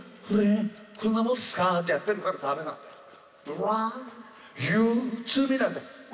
フレ「こんなもんすか？」ってやってるからダメなんだよ